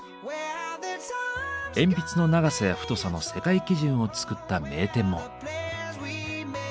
鉛筆の長さや太さの世界基準を作った名店も。